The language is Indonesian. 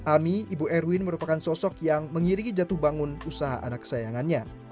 ami ibu erwin merupakan sosok yang mengiringi jatuh bangun usaha anak kesayangannya